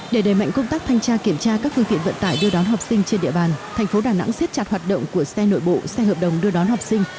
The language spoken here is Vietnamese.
để đẩy mạnh công tác thanh tra kiểm tra các phương tiện vận tải đưa đón học sinh trên địa bàn thành phố đà nẵng siết chặt hoạt động của xe nội bộ xe hợp đồng đưa đón học sinh